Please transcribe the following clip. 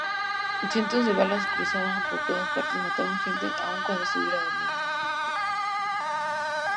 Cientos de balas cruzaban por todas partes, mataban gente, aun cuando estuviera dormida.